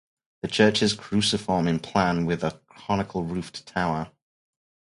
The church is cruciform in plan with a conical roofed tower.